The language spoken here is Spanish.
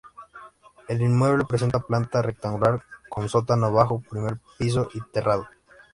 El inmueble presenta planta rectangular, con sótano, bajo, primer piso y terrado.